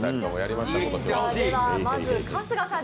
まず春日さん